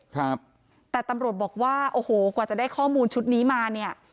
ครับแต่ตำรวจบอกว่าโอ้โหกว่าจะได้ข้อมูลชุดนี้มาเนี่ย